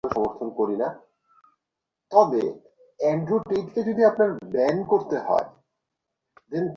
কিছু না, পরিবারের কিছু সদস্যের রিনিউন, বন্ধুরা!